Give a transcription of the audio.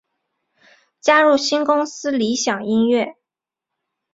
加入新公司理响音乐。